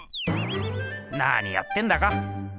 何やってんだか。